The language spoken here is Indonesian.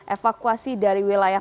evakuasi dari wilayah